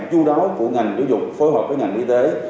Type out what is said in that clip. chú đáo của ngành giáo dục phối hợp với ngành y tế